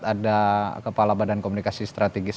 ada kepala badan komunikasi strategis